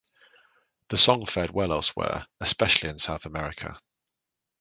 The song fared well elsewhere, especially in South America.